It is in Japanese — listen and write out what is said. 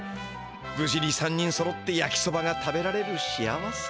ぶじに３人そろってやきそばが食べられる幸せ。